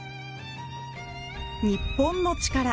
『日本のチカラ』